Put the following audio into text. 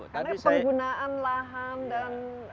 karena penggunaan lahan dan